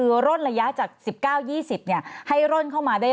เรียกรู้สึกว่าตอนนี้กระทรวงการคลังคุยกันอยู่ที่นี้